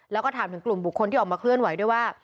แล้วก็ถามถึงกลุ่มบุคคลที่ออกมาเคลื่อนไหวด้วยว่า